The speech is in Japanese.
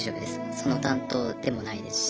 その担当でもないですし。